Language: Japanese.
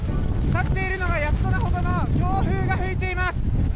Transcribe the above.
立っているのがやっとのほどの強風が吹いています。